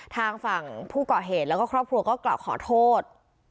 ทางฝั่งผู้เกาะเหตุและครอบครัวก็เกาะขอโทษ